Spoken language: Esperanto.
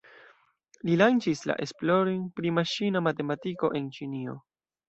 Li lanĉis la esplorojn pri maŝina matematiko en Ĉinio.